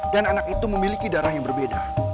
dan anak itu memiliki darah yang berbeda